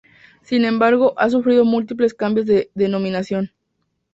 Sin embargo, ha sufrido múltiples cambios de denominación.